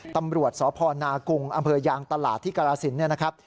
ตำรวจสพนกรุงอยตลาดที่กรสินทร์